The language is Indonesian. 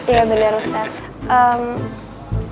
iya bener ustadz